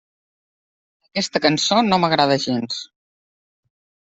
Aquesta cançó no m'agrada gens.